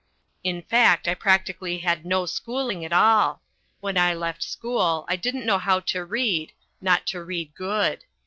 In fact, I practically had no schooling at all. When I left school I didn't know how to read, not to read good.